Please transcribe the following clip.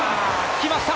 来ました！